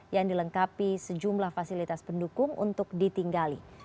yang dilengkapi sejumlah fasilitas pendukung untuk ditinggali